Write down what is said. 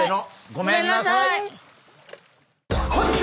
ごめんなさい！